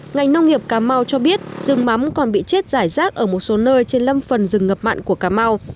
ngành nông nghiệp cà mau cho biết rừng mắm còn bị chết giải rác ở một số nơi trên lâm phần rừng ngập mặn của cà mau